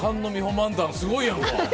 漫談すごいやんか。